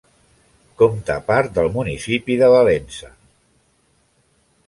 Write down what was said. Compta part del municipi de Valença.